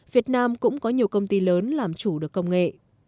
việt nam cũng có nhiều công ty lớn làm chủ được công nghệ